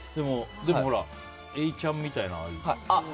でも、えいちゃんみたいな。